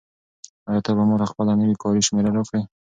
آیا ته به ماته خپله نوې کاري شمېره راکړې؟